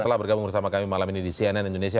telah bergabung bersama kami malam ini di cnn indonesia